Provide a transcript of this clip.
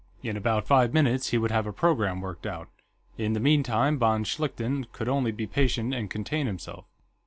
In about five minutes, he would have a programme worked out; in the meantime, von Schlichten could only be patient and contain himself.